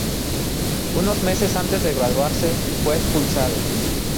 Unos meses antes de graduarse, fue expulsado.